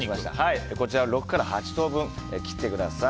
こちらを６から８等分切ってください。